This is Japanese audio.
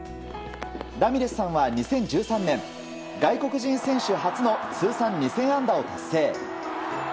ラミレスさんは２０１３年外国人選手初の通算２０００安打を達成。